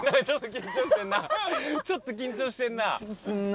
ちょっと緊張してんな。